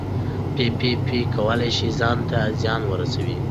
پي پي پي کولی شي ځان ته زیان ورسوي.